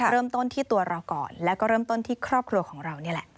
เริ่มต้นที่ตัวเราก่อนแล้วก็เริ่มต้นที่ครอบครัวของเรานี่แหละ